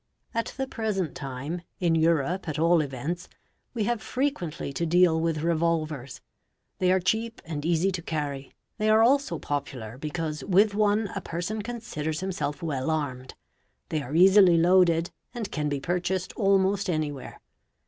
At the present time, in Europe at all events, we have frequently to deal with revolvers; they are cheap and easy to carry; they are also popular, because with one a person considers himself well armed; the; are easily loaded, and can be purchased almost anywhere.